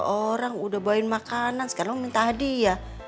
orang udah main makanan sekarang minta hadiah